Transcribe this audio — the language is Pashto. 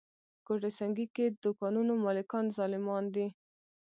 ګوته سنګي کې دوکانونو مالکان ظالمان دي.